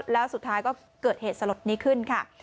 แล้วสุดท้ายก็เกิดเหตุสลดนี้ขึ้นค่ะ